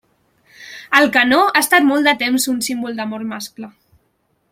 El canó ha estat molt de temps un símbol d'amor mascle.